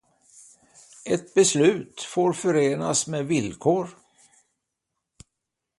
Ett beslut får förenas med villkor.